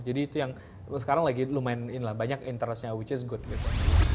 jadi itu yang sekarang lagi lumayan banyak interestnya which is good gitu